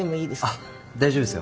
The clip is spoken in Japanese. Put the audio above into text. あっ大丈夫ですよ。